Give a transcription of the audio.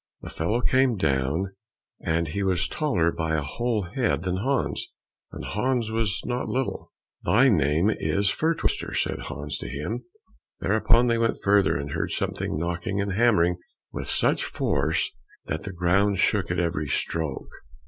The fellow came down, and he was taller by a whole head than Hans, and Hans was not little. "Thy name is now Fir twister," said Hans to him. Thereupon they went further and heard something knocking and hammering with such force that the ground shook at every stroke.